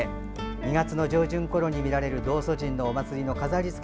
２月の上旬ころに見られる道祖神のお祭りの飾りつけ。